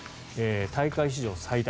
大会史上最多。